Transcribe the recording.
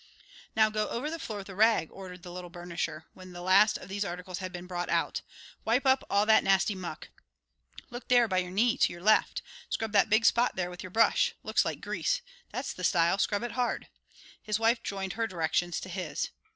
"Now go over the floor with a rag," ordered the little burnisher, when the last of these articles had been brought out. "Wipe up all that nasty muck! Look there by your knee to your left! Scrub that big spot there with your brush looks like grease. That's the style scrub it hard!" His wife joined her directions to his.